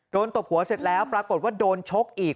ตบหัวเสร็จแล้วปรากฏว่าโดนชกอีก